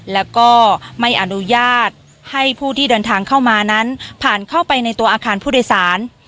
แล้วก็ไม่อนุญาตให้ผู้ที่เดินทางเข้ามานั้นผ่านเข้าไปในตัวอาคารผู้โดยสาร